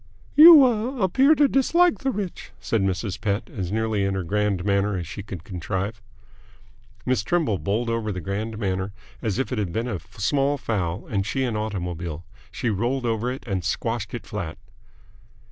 "You ah appear to dislike the rich," said Mrs. Pett, as nearly in her grand manner as she could contrive. Miss Trimble bowled over the grand manner as if it had been a small fowl and she an automobile. She rolled over it and squashed it flat.